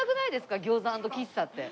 餃子＆喫茶って。